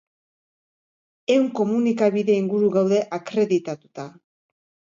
Ehun komunikabide inguru gaude akreditatuta.